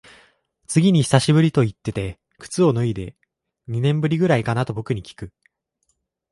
次に久しぶりと言ってて靴を脱いで、二年ぶりくらいかなと僕にきく。